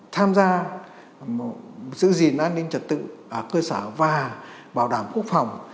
tham gia giữ gìn an ninh trật tự ở cơ sở và bảo đảm quốc phòng